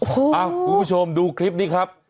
คุณผู้ชมดูคลิปนี้ครับ